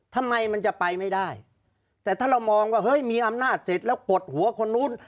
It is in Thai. ทำไมมันจะไปไม่ได้แต่ถ้าเรามองว่าเฮ้ยมีอำนาจเสร็จแล้วกดหัวคนนู้น